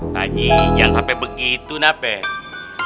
pak ji jangan sampe begitu nape